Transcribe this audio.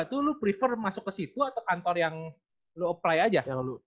itu lo prefer masuk ke situ atau kantor yang low apply aja